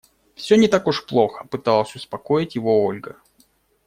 «Всё не так уж плохо», - пыталась успокоить его Ольга.